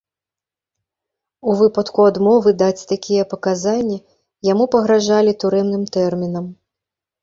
У выпадку адмовы даць такія паказанні яму пагражалі турэмным тэрмінам.